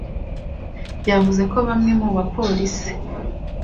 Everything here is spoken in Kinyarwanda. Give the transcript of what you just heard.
ryavuze ko bamwe mu bapolisi